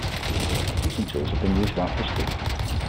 Juicing tools have been used throughout history.